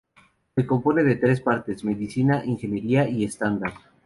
Se compone de tres partes, Medicina, Ingeniería y estándar.